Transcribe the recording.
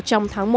trong tháng một